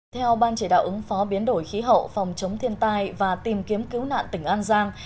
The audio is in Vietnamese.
theo ban chỉ đạo ứng phó biến đổi khí hậu phòng chống thiên tai và tìm kiếm cứu nạn tỉnh an giang